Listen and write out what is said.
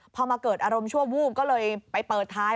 พอมาเกิดอารมณ์ชั่ววูบก็เลยไปเปิดท้าย